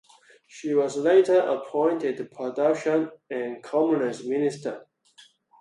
She was later appointed Production and Commerce Minister.